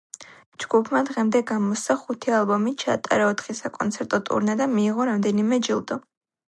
ჯგუფმა დღემდე გამოსცა ხუთი ალბომი, ჩაატარა ოთხი საკონცერტო ტურნე და მიიღო რამდენიმე ჯილდო.